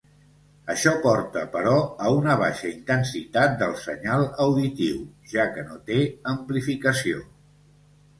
Això porta, però, a una baixa intensitat del senyal auditiu, ja que no té amplificació.